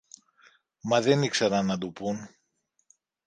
Μα δεν ήξεραν να του πουν.